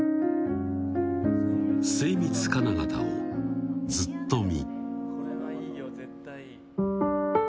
精密金型を、ずっとみ。